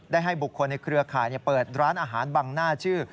ให้บุคคลในเครือข่ายเปิดร้านอาหารบังหน้าชื่อ